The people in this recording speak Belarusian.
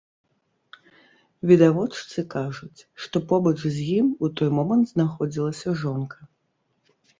Відавочцы кажуць, што побач з ім у той момант знаходзілася жонка.